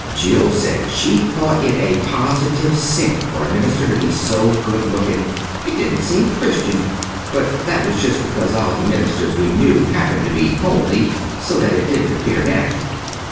Jill said she thought it a positive sin for a minister to be so good looking, it didn't seem Christian; but that was just because all the ministers we knew happened to be homely so that it didn't appear natural.